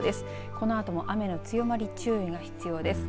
このあとも雨の強まり注意が必要です。